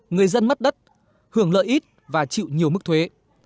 người dân mất đất hưởng lợi ít và chịu nhiều mức thuế